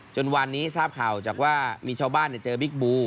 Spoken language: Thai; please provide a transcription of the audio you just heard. จนวันนี้ทราบข่าวจากว่ามีชาวบ้านเจอบิ๊กบู